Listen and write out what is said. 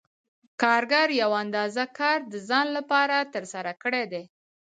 کارګر یوه اندازه کار د ځان لپاره ترسره کړی دی